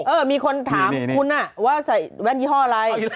มีคนถามคุณว่าใส่แว่นยี่ห้ออะไร